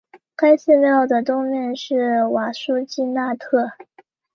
该寺庙的东面是瓦苏基纳特。